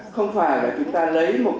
không phải là chúng ta lấy mục đích